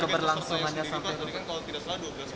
jika tidak salah dua belas juta ya pak ya